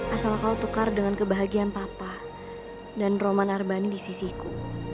asal kau tukar dengan kebahagiaan papa dan roman arbani di sisiku